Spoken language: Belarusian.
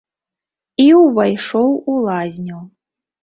І ўвайшоў у лазню.